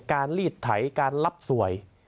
การลีดไถ้การรับสวย